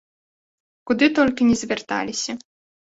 Куды толькі ні звярталіся!